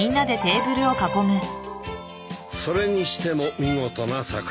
それにしても見事な桜ですな。